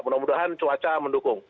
mudah mudahan cuaca mendukung